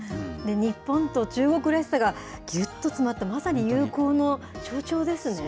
日本と中国らしさがぎゅっと詰まったまさに友好の象徴ですね。